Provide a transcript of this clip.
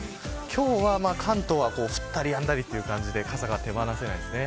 今日は関東は降ったりやんだりという感じで傘が手放せないですね。